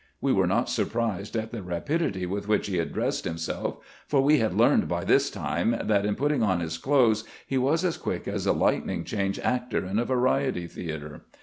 We were not surprised at the rapidity with which he had dressed himself, for we had learned by this time that in putting on his clothes he was as quick as a lightning change actor in a variety theater.